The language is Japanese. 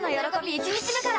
１日目から！！